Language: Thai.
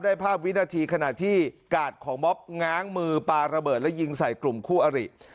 ภาพวินาทีขณะที่กาดของม็อบง้างมือปลาระเบิดและยิงใส่กลุ่มคู่อริ